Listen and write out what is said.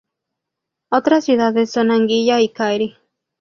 Otras ciudades son Anguilla y Cary.